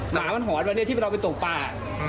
หมามันหอนไปที่เราไปตกปลา